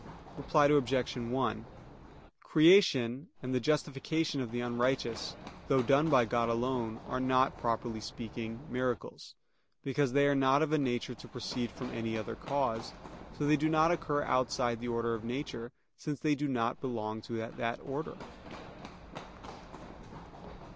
Reply Obj. 1: Creation, and the justification of the unrighteous, though done by God alone, are not, properly speaking, miracles, because they are not of a nature to proceed from any other cause; so they do not occur outside the order of nature, since they do not belong to that order.